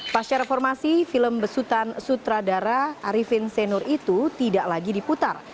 pas cara formasi film besutan sutradara arifin senur itu tidak lagi diputar